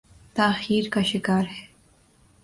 تاخیر کا شکار ہے۔